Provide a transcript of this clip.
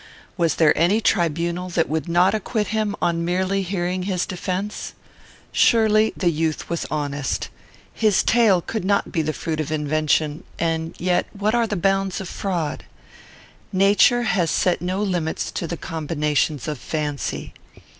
Was there any tribunal that would not acquit him on merely hearing his defence? Surely the youth was honest. His tale could not be the fruit of invention; and yet, what are the bounds of fraud? Nature has set no limits to the combinations of fancy.